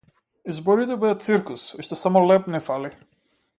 Изборите беа циркус, уште само леб ни фали.